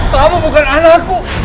kamu bukan anakku